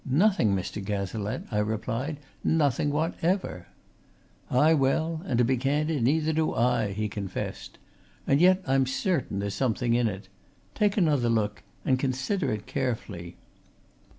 "Nothing, Mr. Cazalette!" I replied. "Nothing whatever." "Aye, well, and to be candid, neither do I," he confessed. "And yet, I'm certain there's something in it. Take another look and consider it carefully."